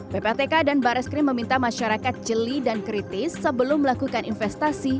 ppatk dan baris krim meminta masyarakat jeli dan kritis sebelum melakukan investasi